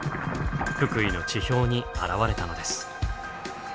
福井の地表に現れたのです。